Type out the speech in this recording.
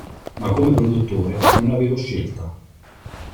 Ma come produttore, non avevo scelta.